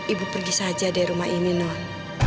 ibu pergi saja dari rumah ini nur